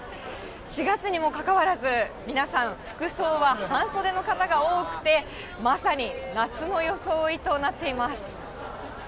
４月にもかかわらず、皆さん、服装は半袖の方が多くて、まさに夏の装いとなっています。